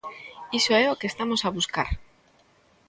Iso é o que estamos a buscar.